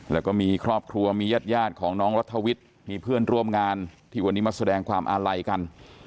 แล้วก็มีครอบครัวมีญาติของน้องรัฐวิทย์มีเพื่อนร่วมงานที่วันนี้มาแสดงความอาลัยกัน